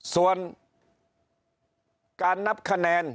ส่วนการนับคะแนน